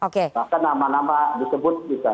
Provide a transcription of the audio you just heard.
bahkan nama nama disebut